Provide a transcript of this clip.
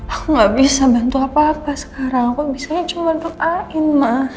aku gak bisa bantu apa apa sekarang aku bisa cuma bantu ain ma